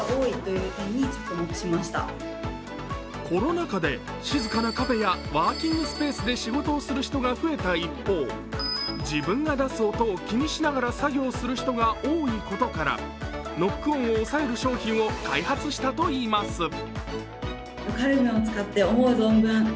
コロナ禍で静かなカフェやワーキングスペースで仕事をする人が増えた一方、自分が出す音を気にしながら作業する人が多いことからノック音を抑える商品を開発したといいます。